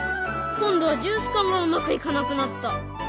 今度はジュース缶がうまくいかなくなった！